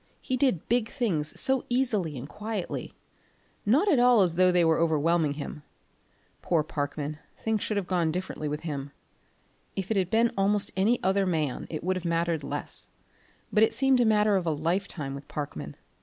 He did big things so very easily and quietly; not at all as though they were overwhelming him. Poor Parkman things should have gone differently with him. If it had been almost any other man, it would have mattered less, but it seemed a matter of a lifetime with Parkman.